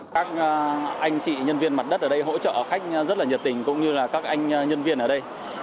các anh chị nhân viên mặt đất ở đây hỗ trợ khách rất là nhiệt tình cũng như là các anh nhân viên ở đây